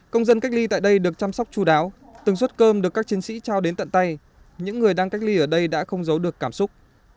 công dân cách ly tại đây được chăm sóc chú đáo từng suất cơm được các chiến sĩ trao đến tận tay những người đang cách ly ở đây đã không giấu được cảm xúc